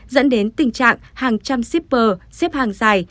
dẫn đến tình trạng hàng trăm shipper xếp hàng dài